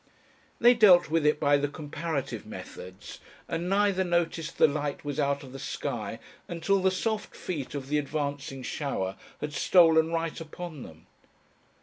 They dealt with it by the comparative methods and neither noticed the light was out of the sky until the soft feet of the advancing shower had stolen right upon them.